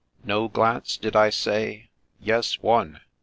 — No glance, did I say ? Yes, one